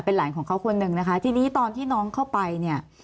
หลานของเขาคนหนึ่งนะคะทีนี้ตอนที่น้องเข้าไปเนี่ย